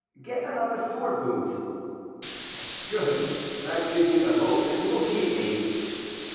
"Get another sword wound." "Good; that gives me the hope that you will keep me."